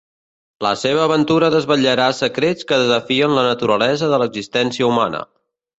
La seva aventura desvetllarà secrets que desafien la naturalesa de l’existència humana.